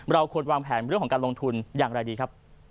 เราควรวางแผนเรื่องของการลงทุนอย่างไรดีครับ